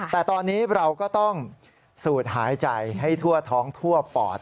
แต่ตอนนี้เราก็ต้องสูดหายใจให้ทั่วท้องทั่วปอด